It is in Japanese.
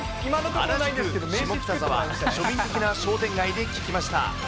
原宿、下北沢、庶民的な商店街で聞きました。